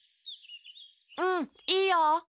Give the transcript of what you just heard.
うんうんいいよ！